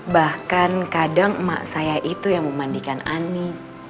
bahkan kadang emak saya itu yang memandikan ani